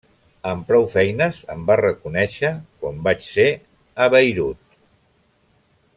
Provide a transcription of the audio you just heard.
Amb prou feines em va reconèixer quan vaig ser a Bayreuth.